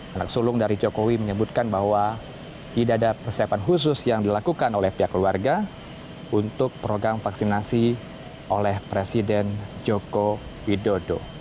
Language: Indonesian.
anak sulung dari jokowi menyebutkan bahwa tidak ada persiapan khusus yang dilakukan oleh pihak keluarga untuk program vaksinasi oleh presiden joko widodo